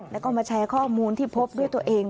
แล้วก็มาแชร์ข้อมูลที่พบด้วยตัวเอง